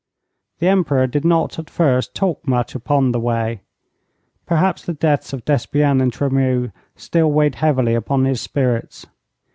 The Emperor did not at first talk much upon the way. Perhaps the deaths of Despienne and Tremeau still weighed heavily upon his spirits.